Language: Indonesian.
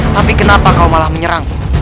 tapi kenapa kau malah menyerang